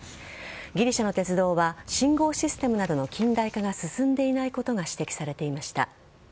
ギリシャの鉄道は信号システムなどの近代化が進んでいないことが指摘されていました。